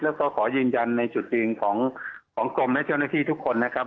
แล้วก็ขอยืนยันในจุดยืนของกรมและเจ้าหน้าที่ทุกคนนะครับ